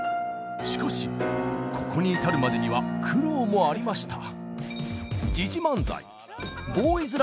しかしここに至るまでには苦労もありました。